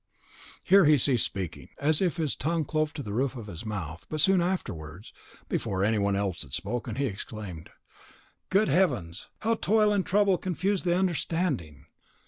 Here he ceased speaking, as if his tongue clove to the roof of his mouth, but soon afterwards, before any one else had spoken, he exclaimed, "Good heavens! how toil and trouble confuse the understanding!